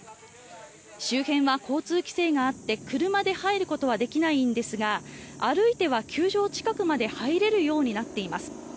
周辺は交通規制があって車で入ることはできないんですが歩いては球場近くまで入れるようになっています。